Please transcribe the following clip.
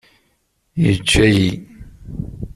Yeǧǧa-yi.